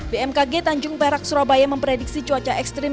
bmkg tanjung perak surabaya memprediksi cuaca ekstrim